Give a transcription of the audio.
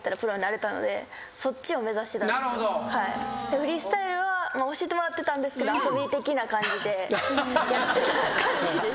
フリースタイルは教えてもらってたんですけど遊び的な感じでやってた感じです。